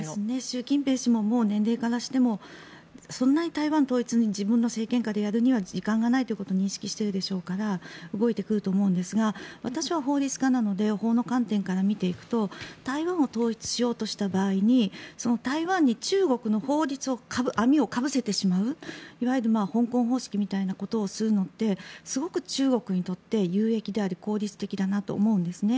習近平氏も年齢からしてもそんなに台湾統一に自分の政権下でやるということに関して時間がないということを認識しているでしょうから動いてくるでしょうけど私は法律家なので法の観点から見ていくと台湾を統一しようとした場合に台湾に中国の法律の網をかぶせてしまういわゆる香港方式みたいなことをするのってすごく中国にとって有益であり効率的だと思うんですね。